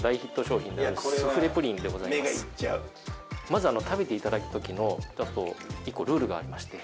まず食べていただく時の１個ルールがありまして。